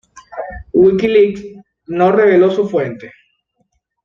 WikiLeaks no reveló su fuente.